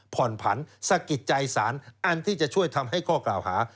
ผ่อนผันสะกิดใจสารอันที่จะช่วยทำให้ข้อกล่าวหา